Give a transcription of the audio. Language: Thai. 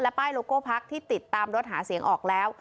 ป้ายโลโก้พักที่ติดตามรถหาเสียงออกแล้ว